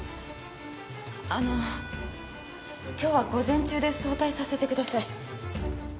あの今日は午前中で早退させてください。